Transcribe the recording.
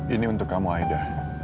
ini untuk kamu aida